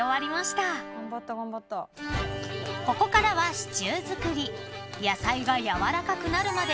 ［ここからはシチュー作り］